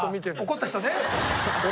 怒った人ね。